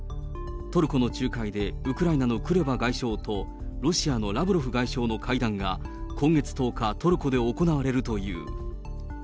トルコの仲介で、ウクライナのクレバ外相とロシアのラブロフ外相の会談が今月１０日、トルコで行われるという。